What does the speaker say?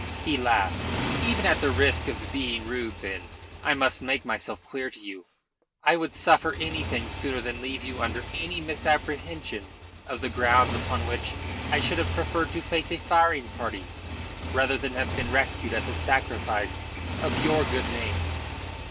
He laughed. "Even at the risk of being rude, then. I must make myself clear to you. I would suffer anything sooner than leave you under any misapprehension of the grounds upon which I should have preferred to face a firing party rather than have been rescued at the sacrifice of your good name."